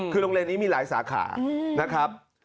คือโรงเรียนนี้มีหลายสาขานะครับ